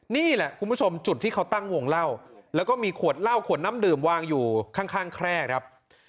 นี่แหละคุณผู้ชมจุดที่เขาตั้งวงเล่าแล้วก็มีขวดเหล้าขวดน้ำดื่มวางอยู่ข้างแคร่ครับ